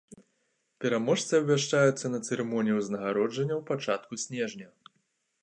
Пераможцы абвяшчаюцца на цырымоніі ўзнагароджання ў пачатку снежня.